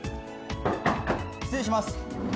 失礼します